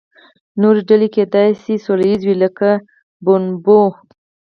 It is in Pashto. نورې ډلې کیدای شي سوله ییزې وي، لکه بونوبو.